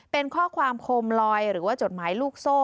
เป็นข้อความโคมลอยหรือว่าจดหมายลูกโซ่